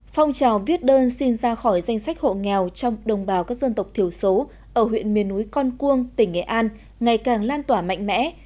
phong trào viết đơn xin ra khỏi danh sách hộ nghèo trong đồng bào các dân tộc thiểu số ở huyện miền núi con cuông tỉnh nghệ an ngày càng lan tỏa mạnh mẽ